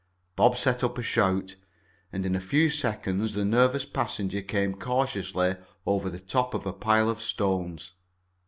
Bob set up a shout, and in a few seconds the nervous passenger came cautiously over the top of a pile of stones.